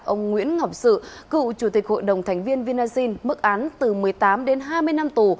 ông nguyễn ngọc sự cựu chủ tịch hội đồng thành viên vinasin mức án từ một mươi tám đến hai mươi năm tù